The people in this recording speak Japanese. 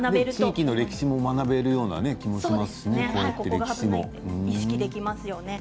地域の歴史も学べるような感じがしますね。